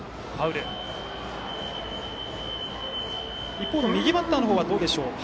一方、右バッターはどうでしょう。